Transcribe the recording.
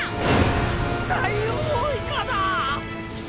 ダイオウイカだ！